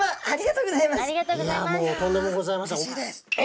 ありがとうございます。